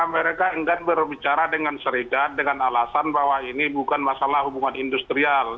mereka enggan berbicara dengan serikat dengan alasan bahwa ini bukan masalah hubungan industrial